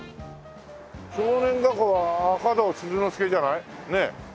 少年画報は『赤胴鈴之助』じゃない？ねえ。